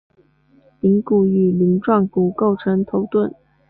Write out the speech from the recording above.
顶骨与鳞状骨构成头盾。